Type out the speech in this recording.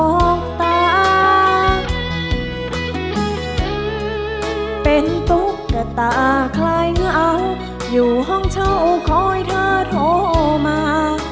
ออกตาเป็นตุ๊กกระตาคล้ายเหงาอยู่ห้องเช่าคอยเธอโทรมา